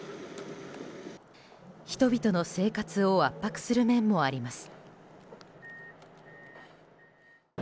人々の生活を圧迫する面もあります。